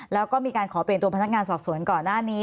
แล้วก็มีการขอเปลี่ยนตัวพนักงานสอบสวนก่อนหน้านี้